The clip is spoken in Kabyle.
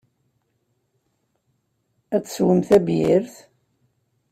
Ad teswem tabyirt?